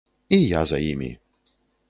І я за імі.